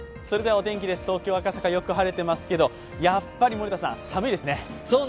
お天気です、東京・赤坂、よく晴れてますけどやっぱり森田さん、寒いですね。